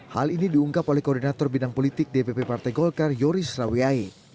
hal ini diungkap oleh koordinator bidang politik dpp partai golkar yoris rawiyai